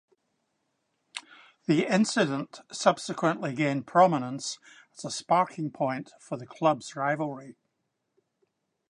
The incident subsequently gained prominence as a sparking point for the clubs' rivalry.